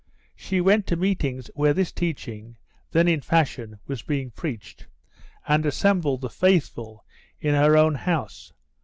She went to meetings where this teaching, then in fashion, was being preached, and assembled the "faithful" in her own house.